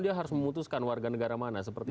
dia harus memutuskan warganegara mana seperti